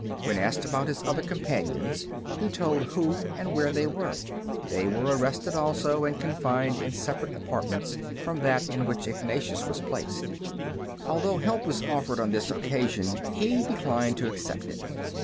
When asked about his other companions, he told who and where they were. They were arrested also, and confined in separate apartments from that in which Ignatius was placed. Although help was offered on this occasion, he declined to accept it.